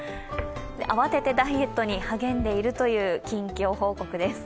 慌ててダイエットに励んでいるという近況報告です。